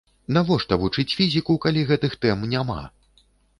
Навошта вучыць фізіку, калі гэтых тэм няма?